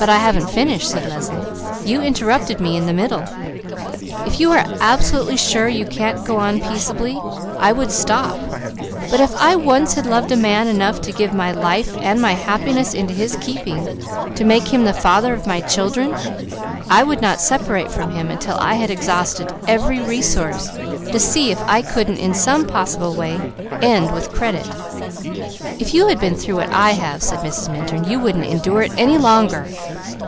"But I haven't finished," said Leslie, "you interrupted me in the middle. If you are absolutely sure you can't go on peaceably, I would stop; but if I once had loved a man enough to give my life and my happiness into his keeping, to make him the father of my children, I would not separate from him, until I had exhausted every resource, to see if I couldn't in some possible way end with credit." "If you had been through what I have," said Mrs. Minturn, "you wouldn't endure it any longer."